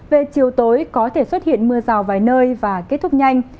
về chiều tối có thể xuất hiện mưa rào vài nơi và kết thúc nhanh